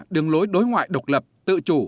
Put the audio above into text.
đường lối đối ngoại độc lập tự chủ